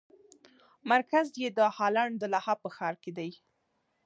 مرکز یې د هالنډ د لاهه په ښار کې دی.